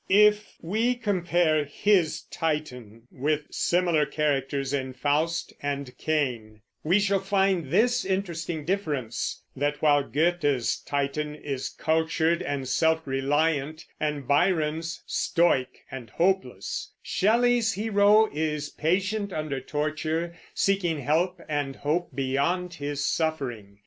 If we compare his Titan with similar characters in Faust and Cain, we shall find this interesting difference, that while Goethe's Titan is cultured and self reliant, and Byron's stoic and hopeless, Shelley's hero is patient under torture, seeing help and hope beyond his suffering.